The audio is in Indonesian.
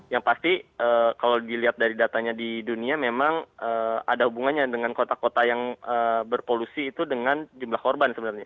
yang pasti kalau dilihat dari datanya di dunia memang ada hubungannya dengan kota kota yang berpolusi itu dengan jumlah korban sebenarnya